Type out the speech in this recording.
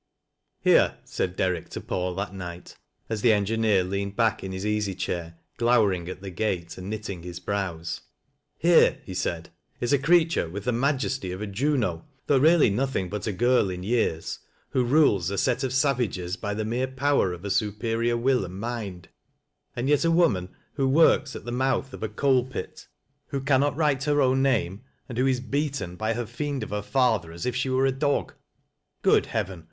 " Here," said Derrick to Paul that night, as the engi neer leaned back in liis easy chair, glowering at the grate and knitting his brows, " Here," he said,|f^is a creature with the majesty of a Juno — though reany nothing but a girl in years— who rules a set of savages by the mere power of a superior will and mind, and yet a woman who works at the mouth of a coal pit, — ^who cannot write her own name, and who is beaten by her fiend of a father as if she were a dog. Good Heaven